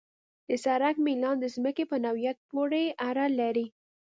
د سړک میلان د ځمکې په نوعیت پورې اړه لري